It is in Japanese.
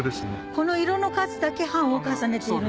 この色の数だけ版を重ねている？